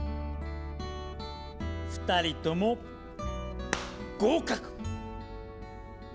２人とも合格！え。